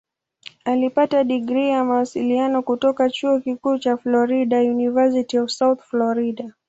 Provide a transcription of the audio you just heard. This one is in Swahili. Alipata digrii ya Mawasiliano kutoka Chuo Kikuu cha Florida "University of South Florida".